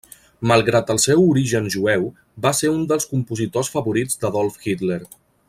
Malgrat el seu origen jueu, va ser un dels compositors favorits d'Adolf Hitler.